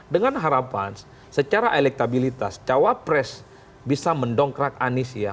dengan harapan secara elektabilitas cawapres bisa mendongkrak anies ya